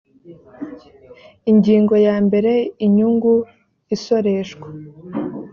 ingingo yambere inyungu isoreshwa